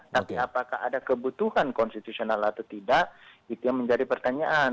tapi apakah ada kebutuhan konstitusional atau tidak itu yang menjadi pertanyaan